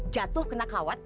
jatuh kena kawat